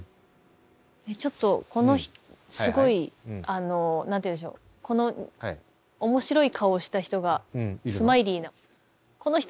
ちょっとこのすごいあの何て言うんでしょうこの面白い顔した人がスマイリーなこの人。